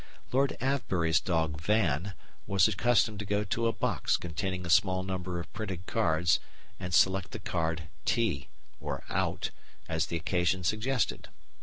Lord Avebury's dog Van was accustomed to go to a box containing a small number of printed cards and select the card TEA or OUT, as the occasion suggested.